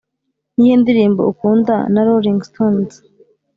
niyihe ndirimbo ukunda na rolling stones?